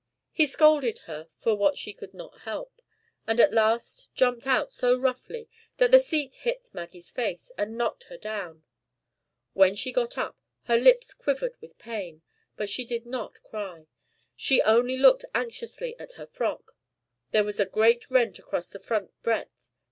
He scolded her for what she could not help, and at last jumped out so roughly, that the seat hit Maggie's face, and knocked her down. When she got up, her lips quivered with pain, but she did not cry; she only looked anxiously at her frock. There was a great rent across the front breadth.